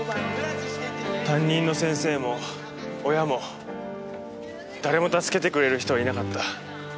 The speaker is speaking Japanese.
担任の先生も親も誰も助けてくれる人はいなかった。